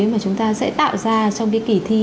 mà chúng ta sẽ tạo ra trong cái kỳ thi